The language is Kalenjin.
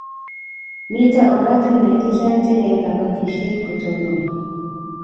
Mito oratinwek chechang' che yae kabatishet ko tonon